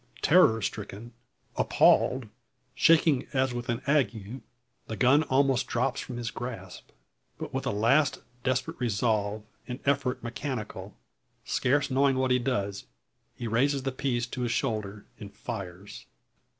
Terror stricken, appalled, shaking as with an ague, the gun almost drops from his grasp. But with a last desperate resolve, and effort mechanical, scarce knowing what he does, he raises the piece to his shoulder, and fires.